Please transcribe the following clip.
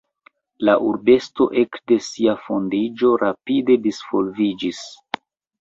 La urbeto ekde sia fondiĝo rapide disvolviĝis.